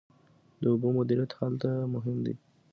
د اوبو مدیریت هلته مهم دی.